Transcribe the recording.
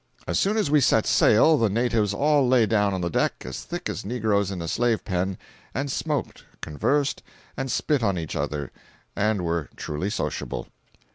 As soon as we set sail the natives all lay down on the deck as thick as negroes in a slave pen, and smoked, conversed, and spit on each other, and were truly sociable.